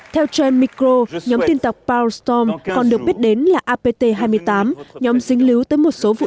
theo trend micro nhóm tin tặc powerstorm còn được biết đến là apt hai mươi tám nhóm dính lưu tới một số vụ